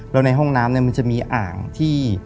แล้วในห้องน้ำมันจะมีอ่างที่